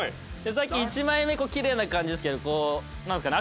さっき１枚目きれいな感じですけどなんですかね